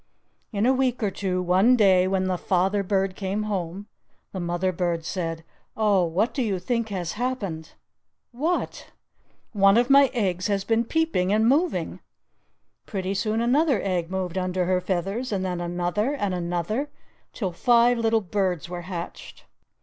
In a week or two, one day, when the father bird came home, the mother bird said, "Oh, what do you think has happened?" "What?" "One of my eggs has been peeping and moving!" Pretty soon another egg moved under her feathers, and then another and another, till five little birds were hatched!